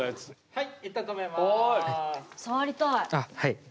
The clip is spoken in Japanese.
はい。